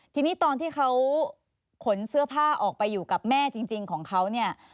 ทีนี้ตอนที่เขาขนเสื้อผ้าออกไปอยู่กับแม่จริงของเขาเนี่ย